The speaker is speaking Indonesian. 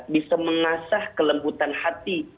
bisa mengasah kelembutan hati